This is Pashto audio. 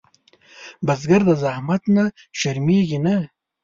بزګر د زحمت نه شرمېږي نه